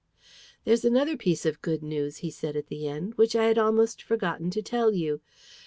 "There's another piece of good news," he said at the end, "which I had almost forgotten to tell you.